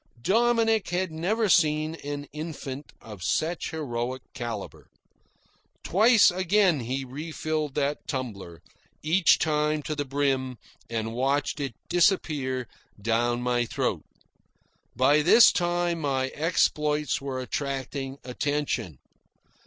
Dominick had never seen an infant of such heroic calibre. Twice again he refilled the tumbler, each time to the brim, and watched it disappear down my throat. By this time my exploits were attracting attention.